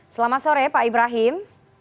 selamat sore pak ibrahim